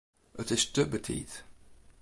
It is te betiid.